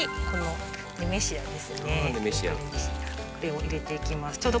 これを入れていきます。